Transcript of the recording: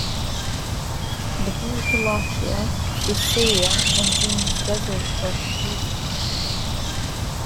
The word "Lahia" is Syriac and means "desert" or "fatigue".